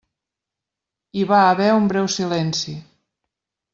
Hi va haver un breu silenci.